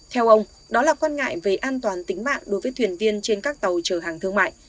theo ông đó là quan ngại về an toàn tính mạng đối với thuyền viên trên các tàu chở hàng thương mại